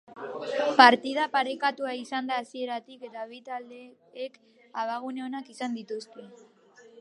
Partida parekatua izan da hasieratik eta bi taldeek abagune onak izan dituzte.